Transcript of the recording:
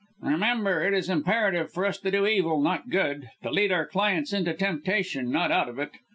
Remember it is imperative for us to do evil not good to lead our clients into temptation, not out of it.